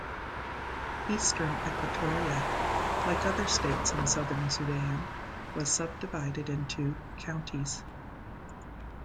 Eastern Equatoria, like other states in South Sudan, was sub-divided into counties.